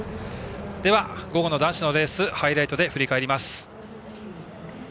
では、午後の男子のレースハイライトで振り返ります。